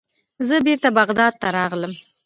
زه بیرته بغداد ته راغلم.